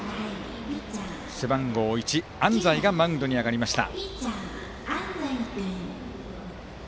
背番号１の安齋がマウンドに上がりました。